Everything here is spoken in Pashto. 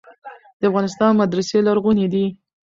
د افغانستان مدرسې لرغونې دي.